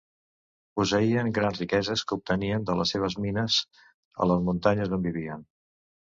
Posseïen grans riqueses que obtenien de les seves mines a les muntanyes, on vivien.